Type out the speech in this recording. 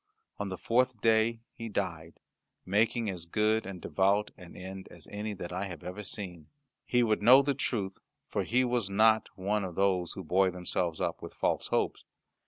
On the fourth day he died, making as good and devout an end as any that I have ever seen. He would know the truth, for he was not one of those who buoy themselves up with false hopes.